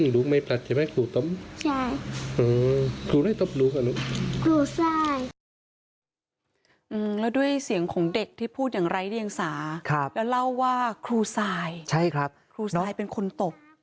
แล้วด้วยเสียงของเด็กที่พูดอย่างไร้เดียงสาแล้วเล่าว่าครูซายใช่ครับครูซายเป็นคนตบ